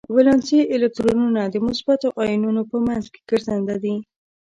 ولانسي الکترونونه د مثبتو ایونونو په منځ کې ګرځننده دي.